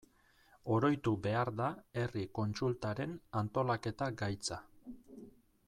Oroitu behar da herri kontsultaren antolaketa gaitza.